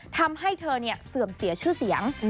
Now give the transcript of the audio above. ทำให้เธอเสื่อมเสียชื่อเสียง